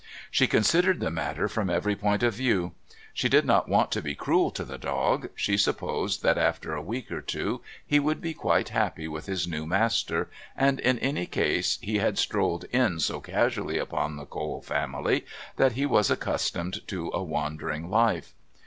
She considered the matter from every point of view. She did not want to be cruel to the dog; she supposed that after a week or two he would be quite happy with his new master, and, in any case, he had strolled in so casually upon the Cole family that he was accustomed to a wandering life.